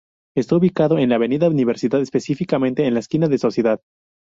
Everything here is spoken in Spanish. Está ubicado en la avenida Universidad, específicamente en la esquina de Sociedad.